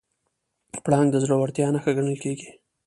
پړانګ د زړورتیا نښه ګڼل کېږي.